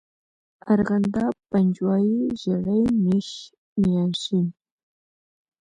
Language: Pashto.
ارغنداب، پنجوائی، ژړی، نیش، میانشین.